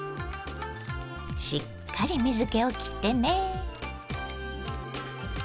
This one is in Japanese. しっかり水けをきってね。